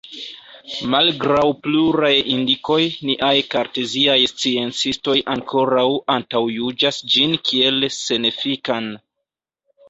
Malgraŭ pluraj indikoj, niaj karteziaj sciencistoj ankoraŭ antaŭjuĝas ĝin kiel senefikan.